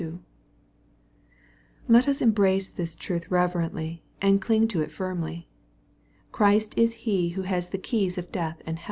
Let us embrace this truth reverently, and cling to ii firmly. Christ is He who has the keys of death and MATTHEW, CHAP. XXVni.